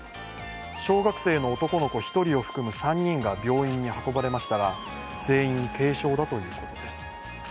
小学生の男の子１人を含む３人が病院に運ばれましたが、全員、軽傷だということです。